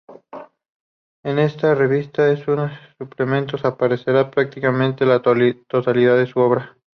En esta revista y en sus suplementos aparecerá prácticamente la totalidad de su obra.